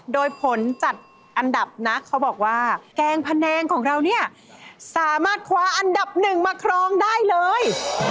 โดยผลจัดอันดับนะเขาบอกว่าแกงพะแนงของเราเนี่ยสามารถคว้าอันดับหนึ่งมาครองได้เลย